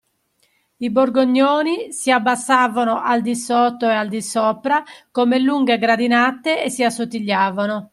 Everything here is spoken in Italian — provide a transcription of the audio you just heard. I borgognoni si abbassavano al disotto e al di sopra come lunghe gradinate e si assottigliavano.